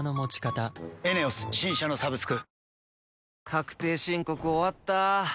確定申告終わった。